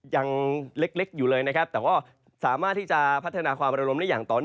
ยังเล็กอยู่เลยนะครับแต่ว่าสามารถที่จะพัฒนาความระลมได้อย่างต่อเนื่อง